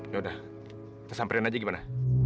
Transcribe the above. yaudah kesamperin aja gimana